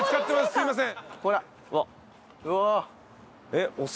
すいません。